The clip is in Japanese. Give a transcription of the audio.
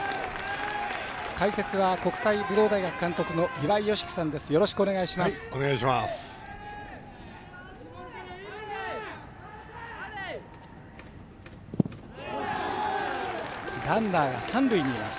解説は国際武道大学監督の岩井美樹さんです。